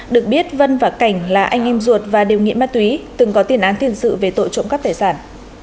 được biết vân và cảnh là anh em ruột và đều nghiện ma túy từng có tiền án tiền sự về tội trộm cắp tài sản